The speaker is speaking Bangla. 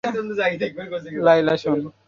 লায়লা, শোন।